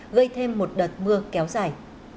gây thêm một đợt mưa kéo dài